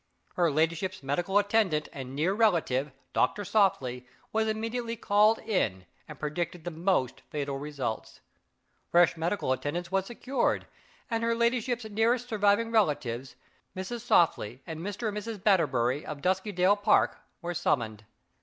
Her ladyship's medical attendant and near relative, Doctor Softly, was immediately called in, and predicted the most fatal results. Fresh medical attendance was secured, and her ladyship's nearest surviving relatives, Mrs. Softly, and Mr. and Mrs. Batterbury, of Duskydale Park, were summoned.